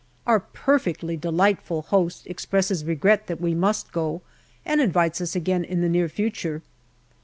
Our perfectly delightful host expresses regret that we must go, and invites us again in the near future.